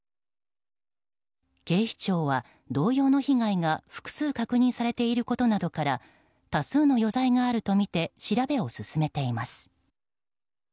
警視庁は、同様の被害が複数確認されていることなどから多数の余罪があるとみて調べを進めています。